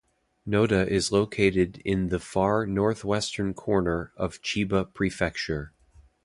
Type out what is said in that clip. Noda is located in the far northwestern corner of Chiba Prefecture.